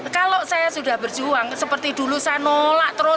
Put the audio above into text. kalau saya sudah berjuang seperti dulu saya nolak terus